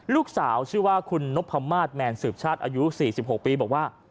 ลูกสาวชื่อว่าคุณนพมาศแมนสืบชาติอายุ๔๖ปีบอกว่า